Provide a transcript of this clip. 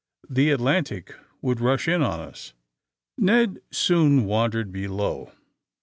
The Atlantic would rush in on us." Ned soon wandered below.